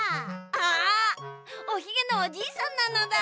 あおひげのおじいさんなのだ。